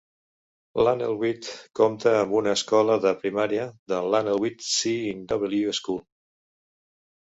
Llanelweed compta amb una Escola de Primària, la Llanelweed C in W School.